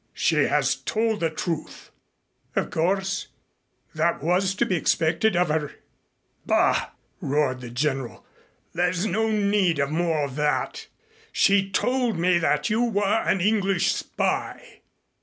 "She has told the truth." "Of course, that was to be expected of her." "Bah!" roared the General. "There's no need of more of that. She told me that you were an English spy."